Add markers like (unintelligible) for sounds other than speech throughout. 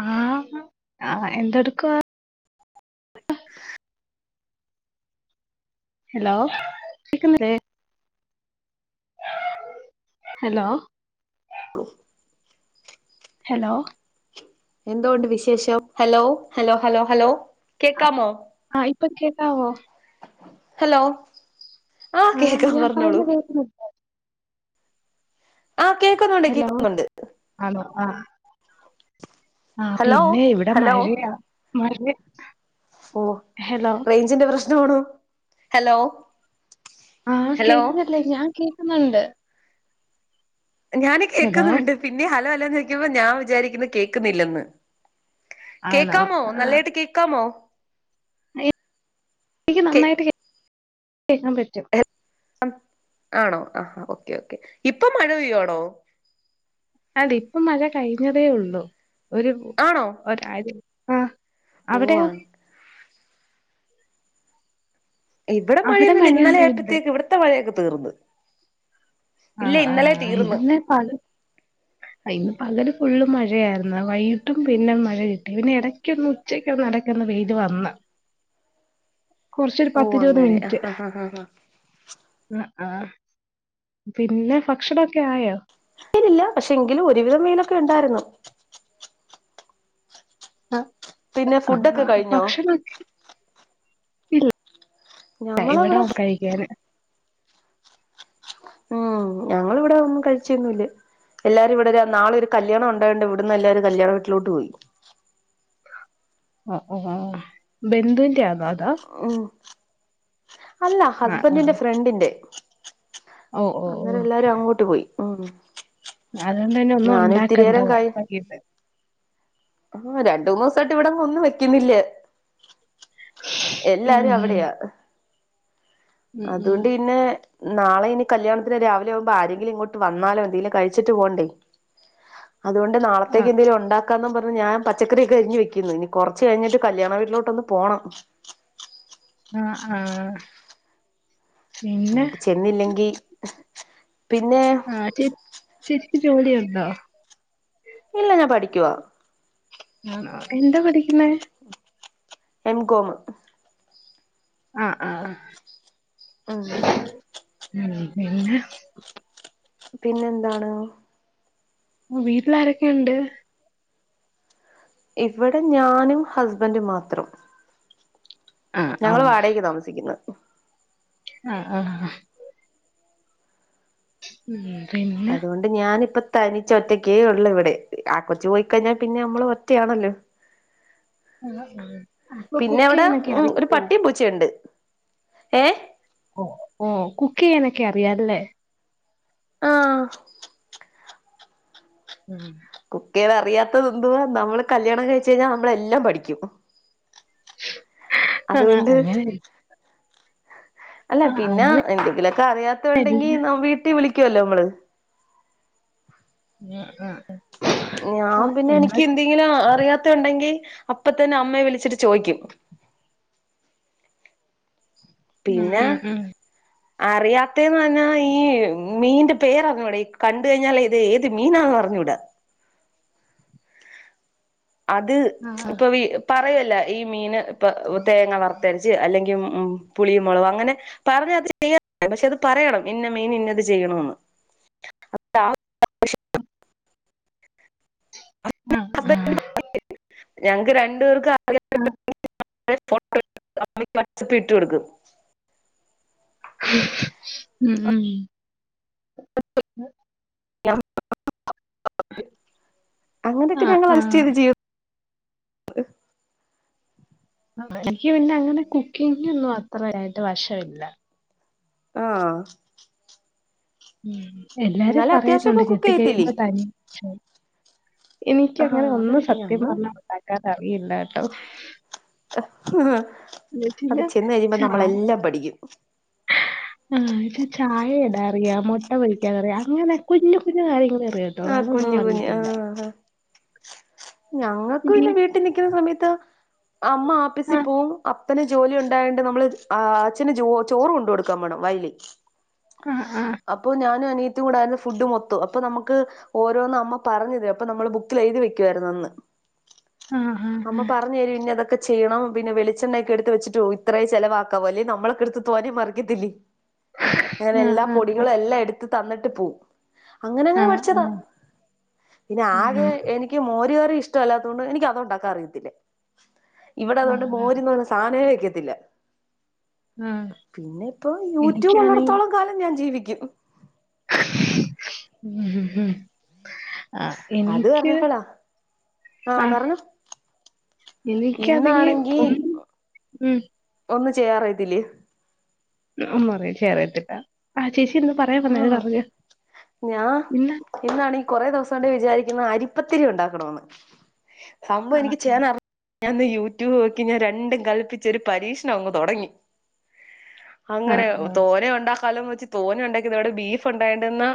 ആഹാ ആ എന്തെടുക്കുവാ (unintelligible) ഹലോ കേക്കുന്നില്ലേ ഹലോ ഗോ ഹലോ എന്തോണ്ട് വിശേഷം ഹലോ ഹലോ ഹലോ ഹലോ കേക്കാമോ പ്പ കേക്കാവോ ഹലോ ആ ആഹ് കേക്കാ ഞാൻ പറഞ്ഞോളൂ പറയുന്ന കേക്കുന്നു ആഹ് കേൾക്കുന്നുണ്ട് ഹലോ കേക്കുന്നുണ്ട് ആഹ് ആഹ ഹലോ പിന്നെ ഇവിടെ ഹലോ മഴയാ (unintelligible) ഓ ഹലോ റേഞ്ചിന്റെ പ്രശ്ന (unintelligible) ഹലോ ആഹ് ഹലോ കേക്കുന്നല്ലേ ഞാൻ കേ ണ്ട് ഞാന കേക്കുന്നുണ്ട് പിന്നെ ഹലൊ ക്കുമ്പോ ഞാൻ വിചാരിക്കുന്നു കേൾക്കുന്നില്ലന്ന് ആണോ കേക്കാമോ ആഹ് നല്ലതായിട്ട് കേക്കാമോ എനിക്ക് നന്നായിട്ട് കേ കേക്കാംപറ്റും ആണോ ആ ഓക്കെ ഓക്കെ ഇപ്പൊ മഴ പെയ്യാണോ ഇപ്പ മഴ കഴിഞ്ഞതേ ഉള്ളു ഒരു ആണോ ഒര ഓ അങ്ങ് ഇവിടെ അവിടെ മഴയന്നുമല്ല ഇന്നലെ മഴയൊന്നും ഇല്ലേ ആയപ്പോഴത്തേക്ക് ഇവിടുത്തെ മഴയൊക്കെ തീർന്ന് ഇല്ല ആഹ് ഇന്നലെ ആഹ് തീർന്ന് ഇതന്നെ പാല ഇന്ന് പകല് ഫുള്ള് മഴയായിരുന്നു വൈകിട്ടും പിന്നെ മഴ കിട്ടി പിന്നെ ഇടയ്ക്കൊന്ന് ഉച്ചക്ക് ഒ നടക്കുന്ന വെയിൽ വന്ന് കുറച്ചൊരു ഓ പത്തി ഇരുപത് അങ്ങനെ മിനിറ്റ് ആഹ് ആഹ് ആഹ് ആഹ് ആഹ് ആ ആ പിന്നെ ഭക്ഷണംമൊക്കെ ആയോ നില്ല പക്ഷെ എങ്കിലും ഒരുവിധം മീനൊക്കെ ഉണ്ടായിരുന്നു ആ പിന്നെ ഫുഡൊക്കെ ആ കഴിഞ്ഞോ ഭക്ഷണം (unintelligible) ഞങ്ങളവിടെ ടൈമിടാവും കഴിക്കാന് ഉം ഞങ്ങിവിടെ ഒന്നും കഴിച്ചൊന്നുല്ല എല്ലാരും ഇവിടെ നാളെ ഒരു കല്യാണം ഉണ്ടായണ്ട് ഇവിടന്ന് എല്ലാരും കല്യാ വീട്ടിലോട്ട് പോയി ഓ ബന്ധുവിന്റെ ആണോ അത് ഓ അല്ല ആ ആ ഹസ്ബൻറിന്റെ ഫ്രണ്ടിന്റെ ഓ ഓ അന്നേരം എല്ലാരും അങ്ങോട്ട് പോയി ഉം അതുകൊണ്ട്ന്നെ ഒന്നും ഞാന് ഉണ്ടാക്കണ്ടാവ പത് ആ രണ്ട മൂന്നോ സായിട്ട് ഇവടെ ഒന്നും വെക്കുന്നില്ലാ ഉം എല്ലാരും ഉം അവിടെയാ ഉം ഉം അതുണ്ട് പിന്നെ നാളെഇനികല്യാണത്തിനരാവിലെആവുമ്പോ ആരെങ്കിലും ഇങ്ങോട്ട് വന്നാലോ എന്തെങ്കിലും കഴിച്ചിട്ട് പോകണ്ടേ അതുകൊണ്ട് ആ നാളത്തേക്ക് എന്തെങ്കിലും ഒണ്ട ന്നാ പറഞ്ഞ ഞാ പച്ചക്കറിയൊക്കെ അരിഞ്ഞ് വെക്ക്ന്ന് കൊർച്ച് കഴിഞ്ഞ് കല്യാണ വീട്ടിലോട്ടൊന്ന്പോണം അ ആ പിന്നെ ചെന്നില്ലെങ്കി പിന്നെ ആ ച്ച് ച്ച് ജോലി ഇണ്ടോ? ഇല്ല ഞാൻ പഠിക്കുവാ ആ എന്താ പഠിക്കുന്നെ? എം കോമ് ആ ആ ആ ഉം ഉം പിന്നെ പിന്നെ എന്താണ്? വീട്ടിൽ ആരൊക്കെ ഇണ്ട്? ഇവടെ ഞാനും ഹസ്ബൻറും മാത്രം ആഹ് ഞങ്ങള് വാടകക്ക് താമസിക്കുന്ന ആ ആ ആ ഉം പിന്നെ അതോണ്ട് ഞാനിപ്പ തനിച്ച ഒറ്റക്കേ ഉള്ളൂ ഇവിടെ ആ കൊച്ച് പോയിക്കഴിഞ്ഞാൽ പിന്നെ നമ്മള് ഒറ്റയാണല്ലോ ആ ആ പിന്നെ അവിടെ ഉം ഒരു പട്ടീം പൂച്ചേ ഇണ്ട് ഏ ഓ ഓ കുക്കെയ്യാനൊക്കെ അറിയാ അല്ലേ ആ ഉം കുക്കി എയിതു അറിയാത്തത് എന്തുവാ നമ്മള് കല്യാണം കഴച്ച് കഴിഞ്ഞാൽ നമ്മളെല്ലാം പഠിക്കും അതുകൊണ്ട് ആഹഅങ്ങനെ അല്ല പിന്നെ എന്തെങ്കിലൊക്കെ അറിയാത്തണ്ടെങ്കി എല്ലാം നാം വീട്ടീ വിളി വിളിക്കല്ലോ നമ്മള്. ഉം ഉം ഞാൻ പിന്നെ എനിക്ക് എന്തെങ്കിലും അ അറിയാത്തെ ഉണ്ടെങ്കിൽ. അപ്പ തന്നെ അമ്മയെ വിളിച്ചിട്ട് ചോയിക്കും. ഉം ഉം ഉം. അറിയാത്തേന്ന് പറഞ്ഞാ, ഈ മീന്റെ പേര്റിഞ്ഞൂടെ ഈ കണ്ട കഴിഞ്ഞാല് ഇത് ഏത് മീനാന്ന് അറിഞ്ഞൂടാ. അത് ആഹ് ഇപ്പൊ വി പറയല്ല. ഈ മീന് ഇപ്പ തേങ്ങ വറത്തര്ച്ച് അല്ലെങ്കിൽ ഉ പുളിയും മുളകും അങ്ങനെ പറഞ്ഞ അത് ചെയ്യാം. പക്ഷെ അത് പറയണം ഇന്ന മീൻ ഇന്നത് ചെയ്യണന്ന്. അ താ ണ് പ്രശ് നം അ ആ ഞങ്ങക്ക് രണ്ടു പേർക്ക് ആ ഉം. (unintelligible) അമ്മയ്ക്ക് വാട്സ്ആപ്പി ഇട്ട് കൊടുക്കും ഉം ഉം ഉം. (unintelligible) അങ്ങനെയൊക്കെ ആഹ് ഞങ്ങള് അജസ്റ്റ് ആഹ് ചെയ്ത് ജീ എനിക്ക് പിന്നെ അങ്ങനെ കുക്കിങ്ങാെന്നും അത്രയായിട്ട് വശവില്ല ആ ഉം എല്ലാരും പറയുന്നുണ്ട് അത്യാവശ്യമൊക്കെ കുക്ക് കെട്ടി ചെയ്യത്തില്ലേ കഴിയുമ്പോ തനിയെ ചോ എനിക്ക് ആഹ് അങ്ങനെ ഒന്നും അതാണ് സത്യം ഞങ്ങള് പറഞ്ഞാ ഉണ്ടാ ക്കാനറിയില്ല ട്ടോ ആ അത് കഴിഞ്ഞാ ചെന്ന് കഴിയുമ്പ നമ്മളെല്ലാം പഠിക്കും. ആ ച്ച് ചായ ഇടാറിയാ മൊട്ട പൊരിക്കാനറിയ അങ്ങനെ കുഞ്ഞു കുഞ്ഞു കാര്യങ്ങള് ആ കുഞ്ഞ് കുഞ്ഞ് ആ ഹാ ഞങ്ങൾക്ക് വീ പിന്നെ വീട്ടി നിക്ക്ന്ന സമയത്ത് അമ്മ ആപ്പീസി ആഹ് പോവും അ പ്പന് ജോലി ഉണ്ടായാെണ്ട് നമ്മള് ആ അച്ഛന് ജോ ചോറ് കൊണ്ട് കൊടുക്കാൻ പോണം വയലി ആഹ് ആഹ് അപ്പൊ ഞാൻ ഞാനും അനിയത്തിം കൂടായ്ര്ന്നു ഫുഡ്‌ മൊത്തോം അപ്പൊ നമ് ക്ക് ഓരോന്ന് അമ്മ പറഞ്ഞ് തരും അപ്പൊ നമ്മൾ ബുക്കിൽ എഴുതി വെക്കായ്ര്ന്ന് അന്ന് ആഹ് അമ്മ പറഞ്ഞു തരും ഇന്നതൊക്കെ ചെയ്യണം പിന്നെ വെളിച്ചെണ്ണയൊക്കെ എടുത്ത് വെച്ചിട്ട് ഇത്രേ ചെലവാക്കാവൂ അല്ലേ നമ്മളൊക്കെടുത് തോനെ മറിക്കത്തില്ലേ അങ്ങനെ എല്ലാ ആഹ് ആഹ് പൊടികളും എല്ലാം എട്ത്ത് തന്നിട്ട് പോവും. അങ്ങനെ ആഹ് അങ്ങനെ ആഹ് പിന്നെ ആകെ എനിക്ക് മോ രു കറി ഇഷ്ടല്ലാത്തോണ്ട് എനിക്ക് അത് ഉണ്ടാക്കാൻ അറിയത്തില്ല ഇവിടെ ആഹ് അതുകൊണ്ട്‌ ആഹ് ആഹ് മോര്ന്ന് പറഞ്ഞ സാനേ വക്ക ത്തില്ല ആഹ് പിന്നെ ഇപ്പൊ യൂട്യൂബ് എനിക്കാണെ ഉള്ളടത്തോളം കാലം ഞാൻ ജീവിക്കും ഹ്മ്മ് ആഹ് അത് എനിക്ക് പറഞ്ഞപ്പളാ ആഹ് എനിക്കതില് ഇന്നാണെങ്കി ഒന്നു ഉം ചെയ്യാറ് ഇതില് ഒന്നും ചെയ്യാ അറിയത്തില്ല ചേച്ചി എന്ന് പറയാൻ വന്നലെ ആഹ് പറഞ്ഞ പിന്നെ കുറേ ദിവസം കൊണ്ട് വിചാരിക്കുന്ന അരിപ്പത്തിരി ഉണ്ടാക്കണംന്ന് സംഭവം ആഹ് എനിക്ക് ചെയ്യാൻ അറി ഞാനിന്ന് യൂട്യൂബ് നോക്കി ഞാൻ രണ്ടും കല്പ്പിച്ചൊരു പരീക്ഷണം അങ്ങ് തൊടങ്ങി. അങ്ങനെ ആഹ് തോരെ ഒണ്ടാക് കലം വെച്ച് തോനെയൊണ്ടാക് ക്കിയതോടെ ബീഫ് ഉണ്ടായോണ്ട് നിന്നാ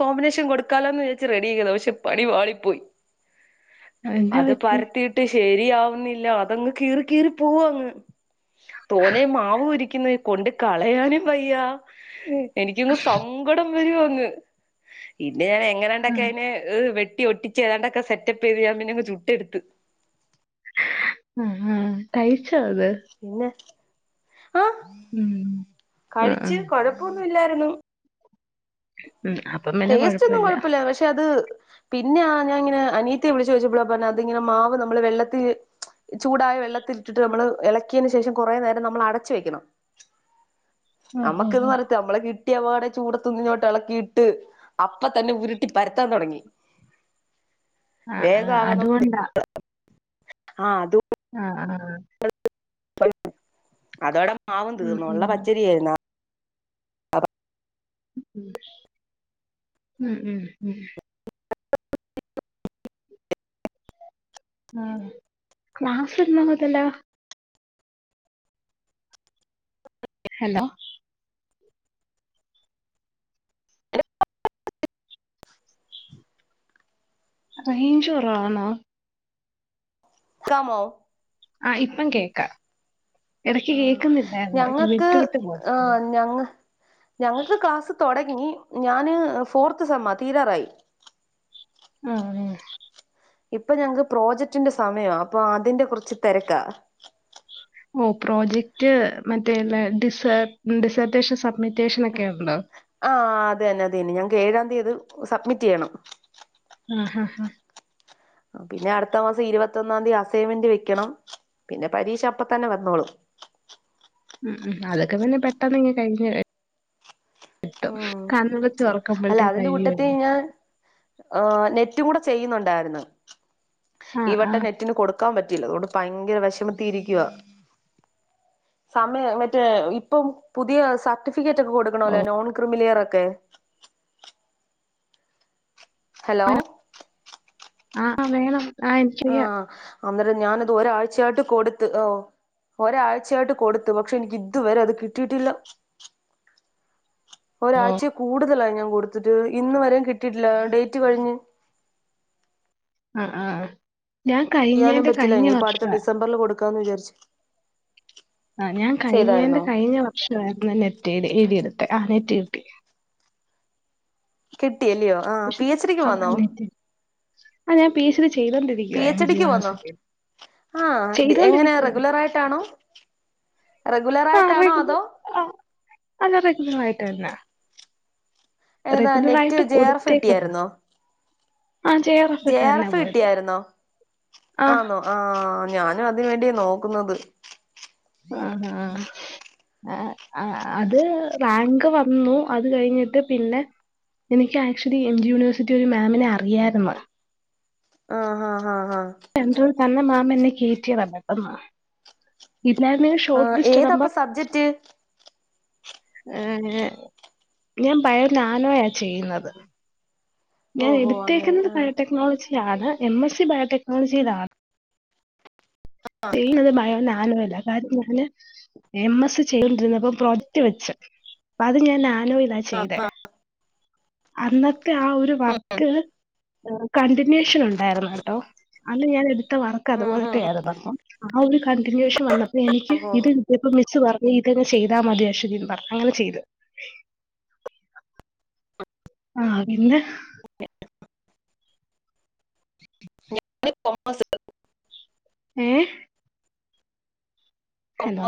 കോമ്പിനേഷൻ കൊടുക്കാലോന്ന് വച്ച് റെഡി ആക്കിയതാ പക്ഷെ പണി പാളിപ്പോയി ആഹ് എന്നാ അത് പറ്റി? പരത്തിയിട്ട് ശെ ശരിയാവുന്നില്ല അതങ്ങ് കീറി കീറി പോവാ അങ്ങ്. തോനെ മാവ് ഒരിക്ക് ക്കുന്നേ കൊണ്ട് കളയാനും വയ്യ എനി സങ്കടം വരുവാന്ന് ഇത് പിന്നെ ഞാൻ ആ എങ്ങനാണ്ടൊക്കെ അതിനെ വെട് ട്ടി ഒട്ടിച്ച് ഏതാണ്ടൊക്കെ സെറ്റപ്പ് ചെയ്ത് ഞാൻ പിന്നങ്ങ് ചുട്ട് എടുത്ത് ആ ആ കൈ പിന്നെ ആ ഉം ആ ആ കഴിച്ച് കൊഴപ്പോന്ന് ഇല്ലായിരുന്നു ഉം അപ്പം പിന്നെ ടേസ്റ്റ് ഒന്നും കൊഴപ്പല്ല കുഴപ്പയില്ല പക്ഷെ അത് പിന്നെ ആ ഞാൻ ഇങ്ങനെ അനിയത്തിയെ വിളിച്ചു ചോദിച്ചപ്പോളാ പറഞ്ഞെ അതിങ്ങനെ മാവ് നമ്മള് വെള്ളത്തിൽ ചൂടായ വെള്ളത്തിൽ ഇട്ടിട്ട് നമ്മള് ഇളക്കിയതിന് ശേഷം കുറെ നേരം നമ്മൾ അടച്ചു വെക്കണം ഓ ഓ നമ്മക്ക് ഇന്ന് ഓ നിറത്തി നമ്മളെ കിട് ട്ടിയപാടെ ചൂടത്തുന്നിഞ്ഞോട്ട് ഇളക്കിട്ട് ട്ട് അപ്പ തന്നെ ഉരുട്ടി പരത്താൻ തുടങ്ങി ആ ആ വേഗം ആവാൻ അതുകൊണ്ടാ ആ അതു ആ ആ ആ അതോടെ മാവും ഉം തീർന്നു, ഒള്ള ഉം പച്ചരി ആയിരുന്നാ ഉം ഉം ഉം ഉം (unintelligible) ഹലോ റെയ്ഞ്ചു കൊർവാന്നോ? ക്കാമോ ആ ഇപ്പം കേക്കാ ആ ഞങ്ങക്ക് വിട്ട് ആ പോകുന്നു ഞങ്ങ ഞങ്ങക്ക് ക്ലാസ്സ് തൊടങ്ങി ഞാന് ഫോർത്ത് സെമ്മാ തീരാറായി ആ ആ ഇപ്പൊ ഞങ്ങക്ക് പ്രോജക്ടിന്റെ സമയാ അപ്പൊ അതിന്റെ കുറച്ച് തെരക്കാ ഉം പ്രോജക്റ്റ് മറ്റേ ല്ലേ ഡിസർ് ഡിസർട്ടേഷൻ സബ്മിറ്റ് ആ അതെന്നെ അതന്നെ ഞങ്ങക്ക് ഏഴാംന്തി ത് സബ്മിറ്റെയ്യണം ആ ആ പിന്നെ അടുത്ത മാസം ഇരുപത്തൊന്നാം തീയതി അസൈൻമെന്റ് വെക്കണം പിന്നെ പരീക്ഷ അപ്പ തന്നെ വന്നോളും ഉം ഉം അതൊക്കെ പിന്നെ പെട്ടെന്നിങ്ങ് കഴിഞ്‌ ഉം അല്ല തുറക്കുമ്പോഴത്തേക്ക് അതിന്റെ കഴിയുമല്ലോ കൂട്ടത്തിഞാൻ ആ നെ നെറ്റ് കൂടെ ചെയ്യുന്നുണ്ടായിരുന്നു ഈ ആഹ് വട്ടം ആഹ് നെറ്റിന് കൊടു കൊടുക്കാൻ പറ്റീല അത്കൊണ്ട് ഭയങ്കര വെഷമത്തീ ഇരിക്കുവാ, സമ മറ്റേ ഇപ്പം പുതിയ സർട്ടിഫി ഫിക്കെറ്റൊക്കെ കൊടുക്കണോല്ലോ (unintelligible) ഹലോ ആ വേണം ആ നിക്കറിയാം ആഹ് അന്നേരം ഞാാനത് ഒരായ്ച്ചായിട്ട് കൊടുത്ത് ഓ ഒരാഴ്ചയായിട്ട് കൊടുത്തു പക്ഷെ എനിക്ക് ഇതുവരെ അത് കിട്ടീട്ടില്ല ഒരാഴ്ചെ കൂടുതലായി ഞങ്ങ കൊടുത്തിട്ട് ഇന്ന് വരേം കിട്ടീട്ടില്ല ഡേറ്റ് കഴിഞ്ഞ് ആ ആ ഞാൻ കഴിഞ്ഞേന്റെ കഴിഞ്ഞ വർഷാ ക്കാന്ന്ചാരിച്ച് ആ ഞാൻ കഴിഞ്ഞേന്റെ കഴിഞ്ഞ വർഷായിരുന്നുനെറ്റെയുതിയത് ആ നെറ്റ് കിട്ടി കിട്ടിയല്ലിയോ ആ പി എച്ച് ഡിക്ക് പോന്നോ ആ ഞാൻ പി എച്ച് പി ചെയ്തോണ്ടിരിക്കുവാ എം എച്ച് ജി ടിക്ക് പോന്നോ യൂണിവേഴ്സിറ്റിയിൽ ആഹ് എങ്ങനെയ ചെയ്തോണ്ടിരിക്കുവാ റെഗുലർ ആയിട്ടാണോ റെഗുലർ ആ ആയിട്ടാണോ റെഗുലർ അതോ ആഹ് അല്ല റെഗുലർ ആയിട്ട് (inaudible) ഏതാ റെഗുലർ നെറ്റ് ആയിട്ട് ജെ ആർ എഫ് കൊടുത്തേക്കുന്നാ കിട്ടിയായിരുന്നോ ആഹ് ജെ ഇട്ട് ആർ തന്നാ എഫ് പോയത് കിട്ടിയായിരുന്നോ ആഹ് ആന്നോ ആഹ് ഞാനും അതിന് വേണ്ടിയാ നോക്കുന്നത് ആ ആ ആ അത് റാങ്ക് വന്നു അത് കഴിഞ്ഞിട്ട് പിന്നെ എനിക്ക് ആക്ച്വലി എം ജി യൂണിവേഴ്സിറ്റി ഒരു മാമിനെ അറിയായിരുന്നു ആ ഹ ഹ തന്നെ മാമ് മാം എന്നെ കയറ്റിയത പെട്ടന്ന് ഇല്ലായിരുന്നെങ്ങി ആ ഷോർട്ട് ലിസ്റ്റ് ഏതാപ്പൊ ഇടുമ്പം സബ്ജക്ട് ഏഹ് ഞാൻ ബയോനാനോയാ ചെയ്യ്ന്നത് ഞാൻ ഓഹോ അങ്ങനെ എടുത്തേക്കുന്നത് ആഹ് ബയോടെക്നോളജ് യാണ് എം എസ് സി ബയോടെക്നോളജിയിലാ ചെയ്യുന്നത് ബയോ നാനോ അതായത് ഞാന് എം എസ് സി ചെയ്തോണ്ടിര്ന്നപ്പം പ്രോജക്ട് വെച്ച് അത് ഞാൻ നാ നോയിലാ ചെയ്തേ അന്ന ത്തെ ആ ഒരു ആഹ് വർക്ക് ഏഹ് കണ്ടിന്യു ഷൻ ഉണ്ടായിരുന്നു കേട്ടോ അന്ന് ഞാൻ എട് ത്ത വർക്ക് ഉം അതുപോലത്തെയാരുന്നു അപ്പം ആ ഒരു കണ്ടിനുവേഷൻ വന്ന പ്പ എനിക്ക് ഓഹോ ഇത് കിട്ടിയപ്പ മി മിസ്സ് പറഞ്ഞ് ഇതങ്ങ് ചെയ്താ മതി അശ്വതീന്ന് പറഞ്ഞ് അങ്ങനെ ചെയ്ത് ആഹ് പിന്നെ ഞാൻ കൊമേഴ്സ് എടുത്തു ഏഹ് ഹലോ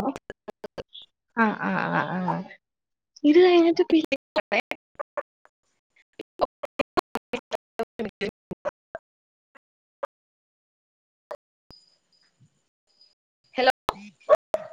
ആഹ് ആഹ് ആഹ് ആഹ് ഇത് കഴിഞ്ഞിട്ട് ട്ട് പിഎച്ച്ഡി (unintelligible) ഹലോ